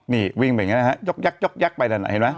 นี่วิ่งเป็นอย่างงี้นะฮะยกยักยกยักไปแล้วนะเห็นไหม